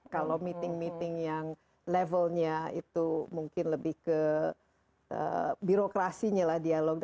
kalau meeting meeting yang levelnya itu mungkin lebih ke birokrasinya lah dialognya